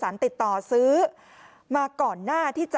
กลุ่มตัวเชียงใหม่